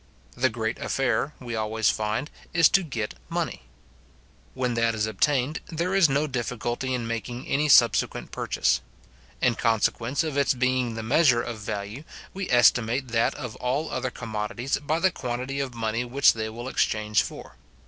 The great affair, we always find, is to get money. When that is obtained, there is no difficulty in making any subsequent purchase. In consequence of its being the measure of value, we estimate that of all other commodities by the quantity of money which they will exchange for.